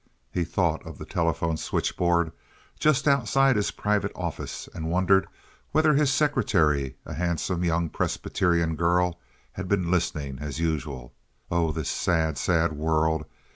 He thought of the telephone switchboard just outside his private office, and wondered whether his secretary, a handsome young Presbyterian girl, had been listening, as usual. Oh, this sad, sad world!